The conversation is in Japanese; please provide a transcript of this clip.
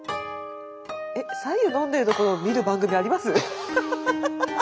えっさ湯飲んでるところを見る番組あります？